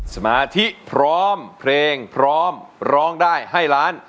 สมาธิพร้อมเพลงพร้อมร้องได้ให้ล้าน